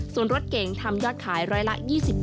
ส่วนรถเก๋งทำยอดขายร้อยละ๒๐